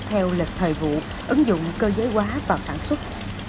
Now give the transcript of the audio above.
theo lịch thời vụ ứng dụng cơ giới quá vào sản xuất